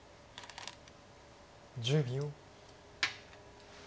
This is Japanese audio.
１０秒。